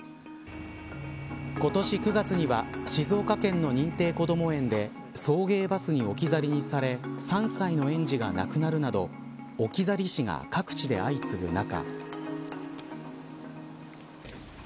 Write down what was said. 今年９月には静岡県の認定こども園で送迎バスに置き去りにされ３歳の園児が亡くなるなど置き去り死が各地で相次ぐ中。